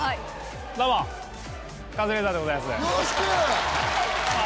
どうもカズレーザーでございます。